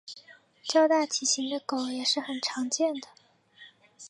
较大体型的狗也是很常见的。